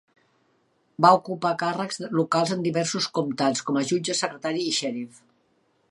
Va ocupar càrrecs locals en diversos comtats, com a jutge, secretari i xèrif.